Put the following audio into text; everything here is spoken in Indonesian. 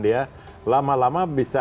dia lama lama bisa